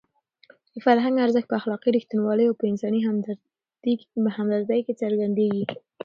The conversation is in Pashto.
د فرهنګ ارزښت په اخلاقي رښتینولۍ او په انساني همدردۍ کې څرګندېږي.